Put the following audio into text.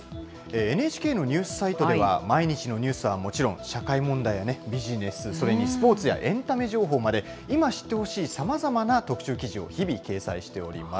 ＮＨＫのニュースサイトでは、毎日のニュースはもちろん、社会問題やビジネス、それにスポーツやエンタメ情報まで、今知ってほしいさまざまな特集記事を日々、掲載しております。